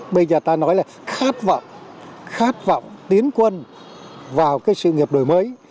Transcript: bây giờ ta nói là khát vọng khát vọng tiến quân vào cái sự nghiệp đổi mới